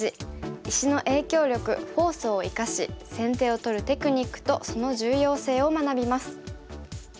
石の影響力フォースを生かし先手を取るテクニックとその重要性を学びます。